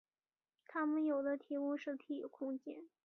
它们有的提供实体空间。